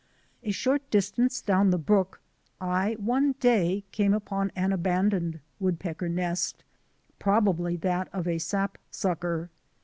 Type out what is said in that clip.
A short distance down the brook I one day came upon an abandoned woodpecker nest — probably that of a sapsucker.